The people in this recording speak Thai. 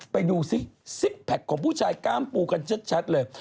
ไปดูซิซิกแพคของผู้ชายกล้ามปูกันชัดเลย